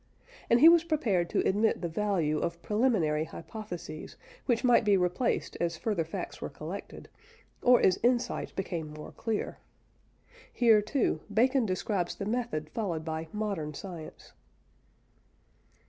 And he was prepared to admit the value of preliminary hypotheses which might be replaced as further facts were collected, or as insight became more clear. Here, too, Bacon describes the method followed by modern science.